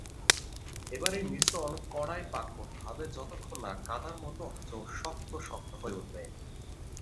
এবার এই মিশ্রণ কড়ায় পাক করতে হবে যতক্ষণ না কাদার মত অথচ শক্ত শক্ত হয়ে উঠবে।